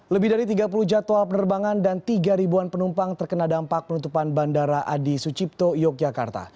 lebih dari tiga puluh jadwal penerbangan dan tiga ribuan penumpang terkena dampak penutupan bandara adi sucipto yogyakarta